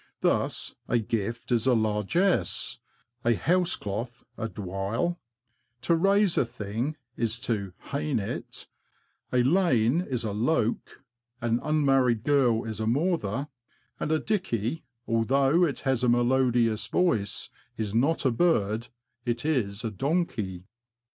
Thus, a gift is a 'Margesse,'' a house cloth a " dwile," to raise a thing is to " hain " it, a lane is a " loke," an unmarried girl is a '' mawther," and a " dickey," although it has a melodious voice, is not a bird — it is a donkey.